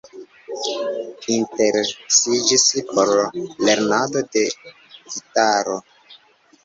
Interesiĝis por lernado de gitaro.